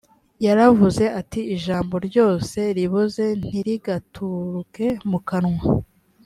yaravuze ati ijambo ryose riboze ntirigaturuke mu kanwa